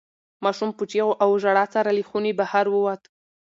ماشوم په چیغو او ژړا سره له خونې بهر ووت.